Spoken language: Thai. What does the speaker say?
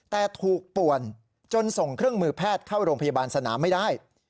แต่ถูกป่วนจนส่งเครื่องมือแพทย์เข้าโรงพยาบาลสนามไม่ได้